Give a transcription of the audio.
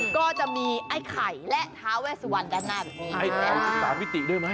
ก็จะมีไอ้ไข่และท้าแว่สวรรค์ด้านหน้าแบบนี้